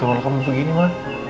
kalau kamu begini ma